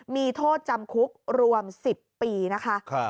มีโทษจำคุกรวม๑๐ปีนะคะ